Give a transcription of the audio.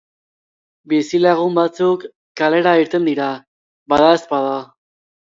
Bizilagun batzuk kalera irten dira, badaezpada.